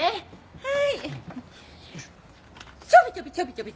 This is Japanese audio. はい。